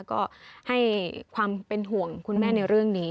ก็ให้ความเป็นห่วงคุณแม่ในเรื่องนี้